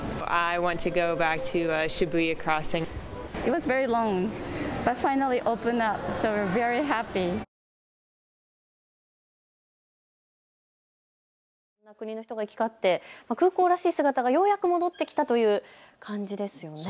いろんな国の人が行き交って空港らしい姿がようやく戻ってきたという感じですよね。